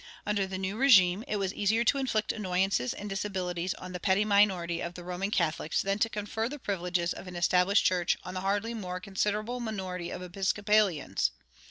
Under the new régime it was easier to inflict annoyances and disabilities on the petty minority of the Roman Catholics than to confer the privileges of an established church on the hardly more considerable minority of Episcopalians.